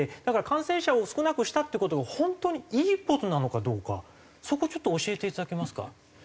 だから感染者を少なくしたって事が本当にいい事なのかどうかそこをちょっと教えていただけますか？